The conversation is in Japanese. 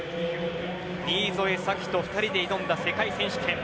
新添左季と２人で挑んだ世界選手権。